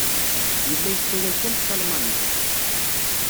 Yella yessawal kan s talmanit.